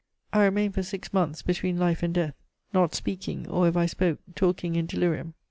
I remained for six months between life and death; not speaking, or, if I spoke, talking in delirium.